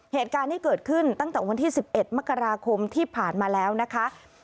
เหตุการณ์ที่เกิดขึ้นตั้งแต่วันที่๑๑มกราคมที่ผ่านมาแล้วนะคะ